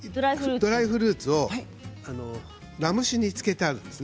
ドライフルーツをラム酒に漬けてあります。